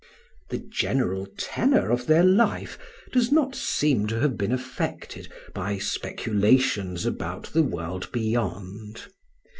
The general tenor of their life does not seem to have been affected by speculations about the world beyond.